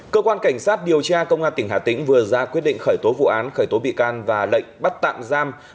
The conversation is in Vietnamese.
cơ quan cảnh sát điều tra công an tỉnh hà tĩnh vừa ra quyết định khởi tố vụ án khởi tố bị can và lệnh bắt tạm giam